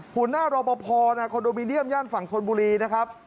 หัวหน้ารอปภคอนโดมิเนียมย่านฝั่งธนบุรีนะครับ